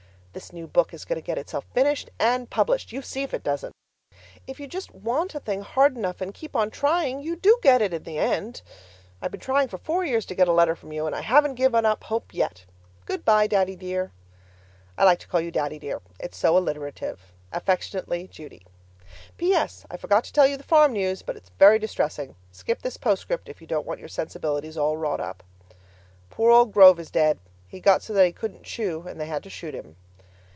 This new book is going to get itself finished and published! You see if it doesn't. If you just want a thing hard enough and keep on trying, you do get it in the end. I've been trying for four years to get a letter from you and I haven't given up hope yet. Goodbye, Daddy dear, (I like to call you Daddy dear; it's so alliterative.) Affectionately, Judy PS. I forgot to tell you the farm news, but it's very distressing. Skip this postscript if you don't want your sensibilities all wrought up. Poor old Grove is dead. He got so that he couldn't chew and they had to shoot him.